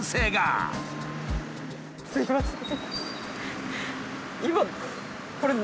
すいません